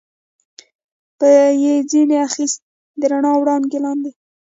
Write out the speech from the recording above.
به یې ځنې اخیست، د رڼا وړانګې لاندې.